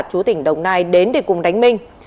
chú tỉnh đồng nai đến để cùng đánh minh